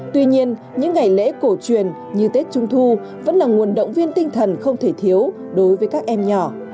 tuy nhiên những ngày lễ cổ truyền như tết trung thu vẫn là nguồn động viên tinh thần không thể thiếu đối với các em nhỏ